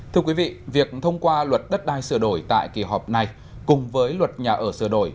thưa quý vị việc thông qua luật đất đai sửa đổi tại kỳ họp này cùng với luật nhà ở sửa đổi